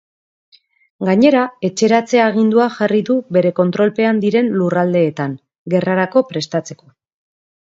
Gainera, etxeratze agindua jarri du bere kontrolpean diren lurraldeetan, gerrarako prestatzeko.